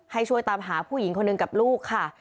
ให้ช่วยตามหาผู้หญิงคนหนึ่งกับลูกค่ะ